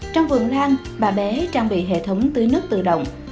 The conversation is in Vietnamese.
trong vườn lan bà bé trang bị hệ thống tưới nước tự động